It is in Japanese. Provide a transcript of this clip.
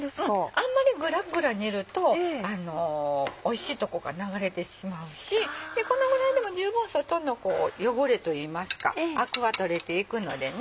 あんまりグラグラ煮るとおいしいとこが流れてしまうしこのぐらいでも十分外の汚れといいますかアクは取れていくのでね。